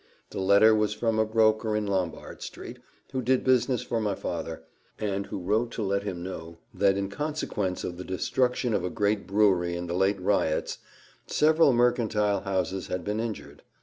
The letter was from a broker in Lombard street, who did business for my father, and who wrote to let him know that, "in consequence of the destruction of a great brewery in the late riots, several mercantile houses had been injured.